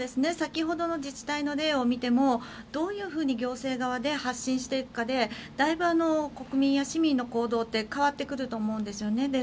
先ほどの自治体の例を見てもどういうふうに行政側で発信していくかでだいぶ国民や市民の行動って変わってくると思うんですね。